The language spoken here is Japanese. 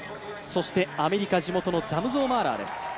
そしてアメリカ地元のザムゾウ・マーラーです。